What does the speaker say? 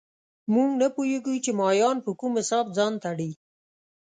موږ نه پوهېږو چې مایان په کوم حساب ځان تړي